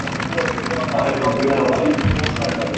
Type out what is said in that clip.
a ver, con cuidado ,¿ vale?